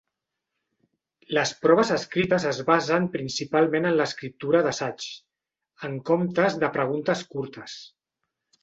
Les proves escrites es basen principalment en l'escriptura d'assaigs, en comptes de preguntes curtes.